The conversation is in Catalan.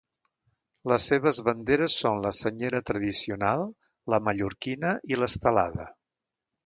Les seves banderes són la senyera tradicional, la mallorquina i l'estelada.